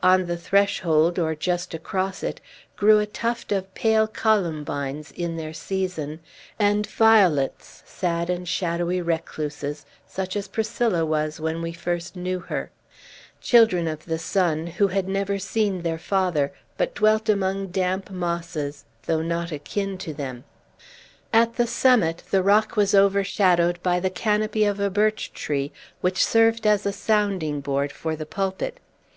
On the threshold, or just across it, grew a tuft of pale columbines, in their season, and violets, sad and shadowy recluses, such as Priscilla was when we first knew her; children of the sun, who had never seen their father, but dwelt among damp mosses, though not akin to them. At the summit, the rock was overshadowed by the canopy of a birch tree, which served as a sounding board for the pulpit.